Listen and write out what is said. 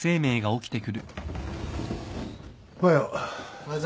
おはよう。